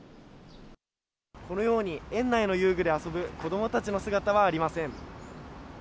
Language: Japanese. このように園内の遊具で遊ぶ子どもたちの姿はありません。